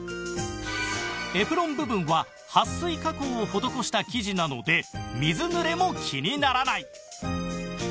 エプロン部分ははっ水加工を施した生地なので水ぬれも気にならない